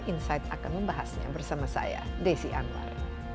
insight akan membahasnya bersama saya desi anwar